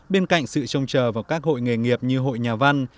bên cạnh sự trông chờ vào các hội nghề nghiệp như hội nhà văn